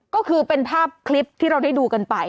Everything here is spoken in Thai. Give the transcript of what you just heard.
ก็คือเป็นภาพคลิปที่เราได้ดูกันไป